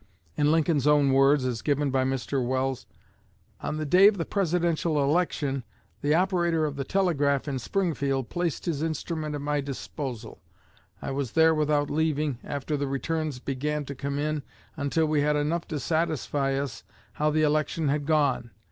In Lincoln's own words, as given by Mr. Welles: "On the day of the Presidential election the operator of the telegraph in Springfield placed his instrument at my disposal. I was there without leaving, after the returns began to come in, until we had enough to satisfy us how the election had gone.